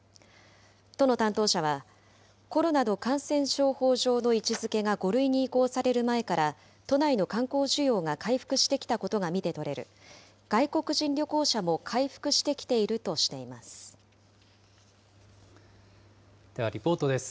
都の担当者は、コロナの感染症法上の位置づけが５類に移行される前から、都内の観光需要が回復してきたことが見て取れる、外国人旅行者もでは、リポートです。